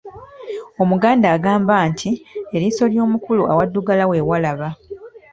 Omuganda agamba nti ,eriiso ly'omukulu awaddugala we walaba.